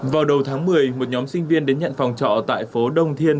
vào đầu tháng một mươi một nhóm sinh viên đến nhận phòng trọ tại phố đông thiên